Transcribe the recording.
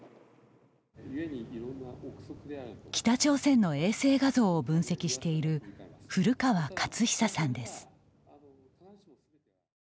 北朝鮮の衛星画像を分析している古川勝久さんです。